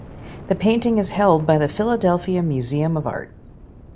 The painting is held by the Philadelphia Museum of Art.